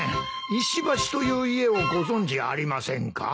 石橋という家をご存じありませんか？